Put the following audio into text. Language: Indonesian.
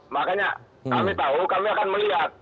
makanya kami tahu kami akan melihat